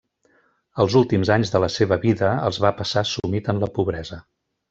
Els últims anys de la seva vida els va passar sumit en la pobresa.